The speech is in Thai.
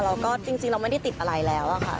เราก็จริงเราไม่ได้ติดอะไรแล้วค่ะ